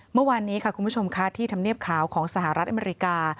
เมื่อวานนี้ค่ะคุณผู้ชมค่ะที่ธรรมเนียบขาวของสหรัฐอเมริกา